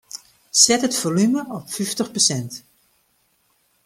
Set it folume op fyftich persint.